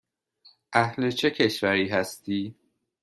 اهل چه کشوری هستی؟